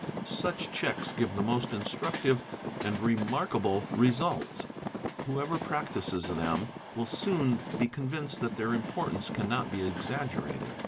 ~ Such checks"&!" give the most instructive and remarkable results ; who ever practises them will soon be convinced that their importance cannot be exaggerated.